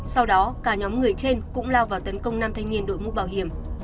sau đó cả nhóm người trên cũng lao vào tấn công năm thanh niên đội mũ bảo hiểm